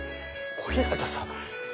小日向さん。